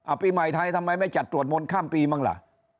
ปีใหม่ไทยทำไมไม่จัดตรวจมนต์ข้ามปีบ้างล่ะ